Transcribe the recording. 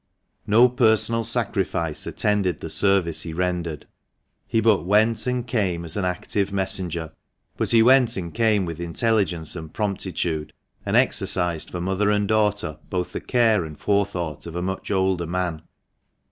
No personal sacrifice attended the service he rendered. He but went and came as an active messenger. But he went and came with intelligence and promptitude, and exercised for mother and daughter both the care and forethought of a much older man.